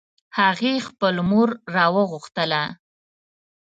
هغې خپل مور راوغوښتله